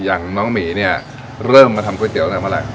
อย่างน้องหมีเนี่ยเริ่มมาทำก๋วเตี๋ตั้งแต่เมื่อไหร่